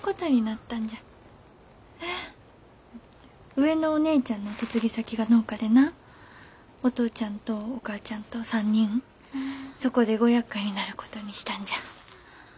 上のお姉ちゃんの嫁ぎ先が農家でなお父ちゃんとお母ちゃんと３人そこでごやっかいになることにしたんじゃ。